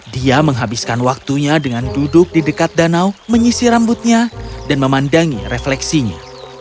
dia menghabiskan waktunya dengan duduk di dekat danau menyisi rambutnya dan memandangi refleksinya